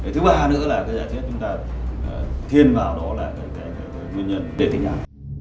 thứ ba nữa là cái giả thiết chúng ta thiên vào đó là cái nguyên nhân để tình ái